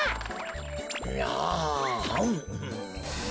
あん。